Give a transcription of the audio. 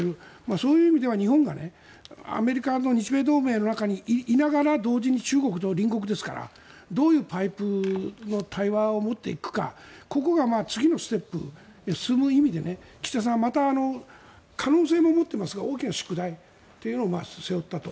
そういう意味では日本がアメリカの日米同盟の中にいながら同時に中国と隣国ですからどういうパイプの対話を持っていくかここが次のステップに進む意味で岸田さん可能性も持っていますが大きな宿題を背負ったと。